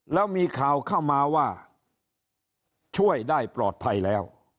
แล้วมีข่าวเข้ามาว่าช่วยได้ปลอดภัยแล้ว